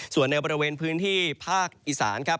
ส่วนในบริเวณพื้นที่ภาคอีสานครับ